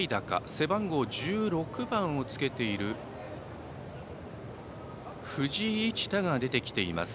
背番号１６番をつけている藤井一太が出てきてます